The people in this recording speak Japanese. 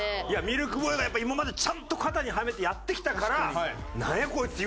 ミルクボーイがやっぱ今までちゃんと型にはめてやってきたから「なんやこいつ」